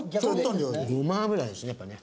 ごま油ですねやっぱね。